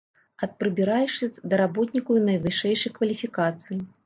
Ад прыбіральшчыц да работнікаў найвышэйшай кваліфікацыі.